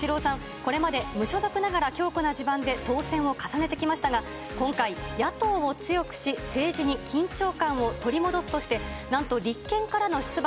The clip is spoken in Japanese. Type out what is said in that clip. これまで無所属ながら強固な地盤で当選を重ねてきましたが、今回、野党を強くし、政治に緊張感を取り戻すとして、なんと立憲からの出馬。